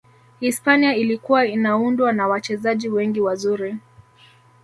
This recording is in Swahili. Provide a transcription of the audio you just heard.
hispania ilikuwa inaundwa na wachezaji wengi wazuri